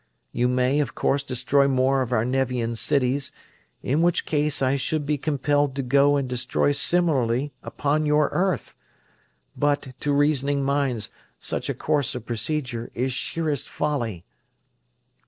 You may, of course, destroy more of our Nevian cities, in which case I should be compelled to go and destroy similarly upon your earth; but, to reasoning minds, such a course of procedure is sheerest folly."